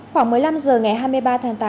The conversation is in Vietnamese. khoảng một mươi năm h ngày hai mươi ba tháng tám